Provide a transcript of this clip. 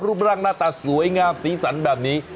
รูปร่างหน้าตาสวยงามสีสันแบบนี้